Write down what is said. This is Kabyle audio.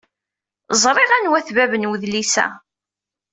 Ẓriɣ anwa-t bab n wedlis-a.